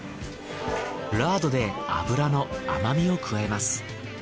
ラードで脂の甘みを加えます。